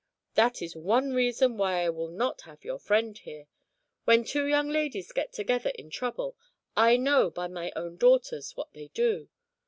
That is one reason why I will not have your friend here. When two young ladies get together in trouble, I know by my own daughters what they do.